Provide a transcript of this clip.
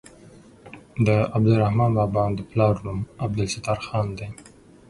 د عبدالرحمان بابا د پلار نوم عبدالستار خان دی.